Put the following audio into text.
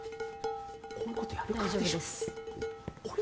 こういうことやるからでしょ